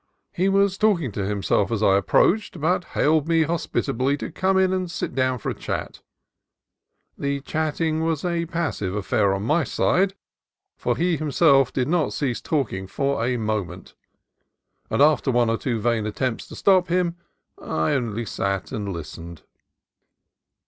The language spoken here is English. He was talking to himself as I approached, but hailed me hospitably to come in and sit down for a chat. The chatting was a passive affair on my side, for he himself did not cease talking for a moment, GREAT DISCOVERY IN MINERALOGY 211 and after one or two vain attempts to stop him, I only sat and listened.